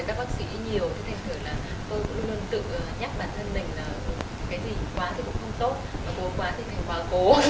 cố quá thì phải cố